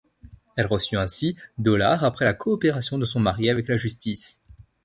Elle reçut ainsi dollars après la coopération de son mari avec la Justice.